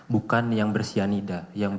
bukan yang bersianida